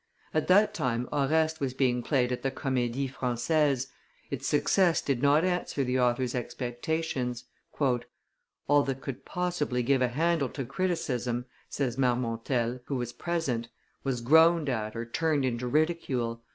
At that time Oreste was being played at the Comedie Francaise; its success did not answer the author's expectations. "All that could possibly give a handle to criticism," says Marmontel, who was present, "was groaned at or turned into ridicule.